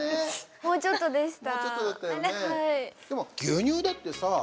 もうちょっとでした。